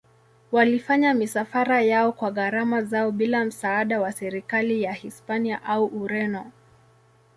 Walifanya misafara yao kwa gharama zao bila msaada wa serikali ya Hispania au Ureno.